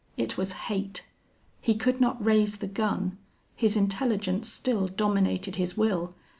It was hate. He could not raise the gun. His intelligence still dominated his will.